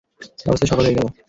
এ অবস্থায় সকাল হয়ে গেল।